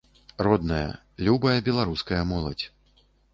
Родная, любая беларуская моладзь!